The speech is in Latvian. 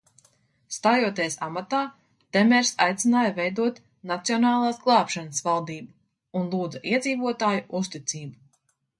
"Stājoties amatā, Temers aicināja veidot "nacionālās glābšanas" valdību un lūdza iedzīvotāju uzticību."